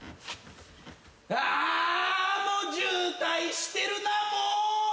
あ渋滞してるなもう！